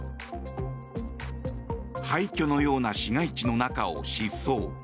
廃虚のような市街地の中を疾走。